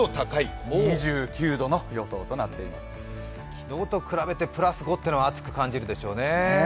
昨日と比べてプラス５というのは暑く感じるでしょうね。